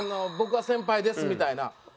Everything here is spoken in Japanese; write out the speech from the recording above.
僕が先輩ですみたいな。